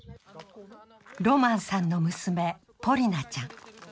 ロマンさんの娘、ポリナちゃん。